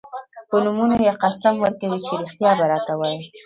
په نومونو یې قسم ورکوي چې رښتیا به راته وايي.